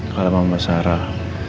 kalau mama sarah